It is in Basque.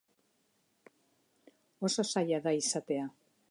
Oso zaila da izatea.